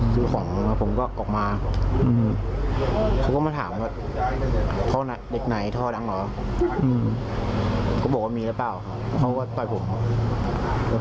ซื้อของนะผมก็ออกมาอือฮือเขาก็มาถามว่า